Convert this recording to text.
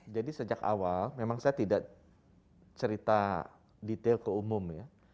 jadi sejak awal memang saya tidak cerita detail keumum ya